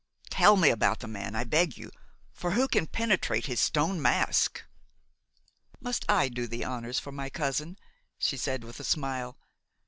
"Tell me about the man, I beg you; for who can penetrate his stone mask?" "Must I do the honors for my cousin?" she said with a smile.